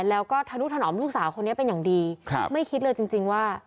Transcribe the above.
แล้วก็ธนุถนอมลูกสาวคนนี้เป็นอย่างดีครับไม่คิดเลยจริงจริงว่า